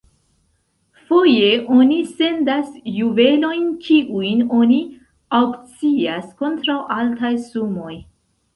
Foje oni sendas juvelojn, kiujn oni aŭkcias kontraŭ altaj sumoj.